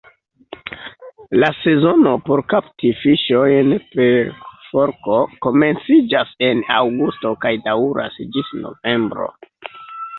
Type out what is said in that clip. La sezono por kapti fiŝojn per forko komenciĝas en aŭgusto kaj daŭras ĝis novembro.